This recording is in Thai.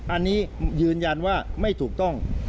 อันนี้ยืนยันว่าไม่ถูกต้อง